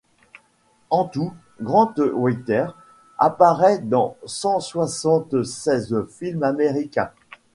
En tout, Grant Withers apparaît dans cent-soixante-seize films américains.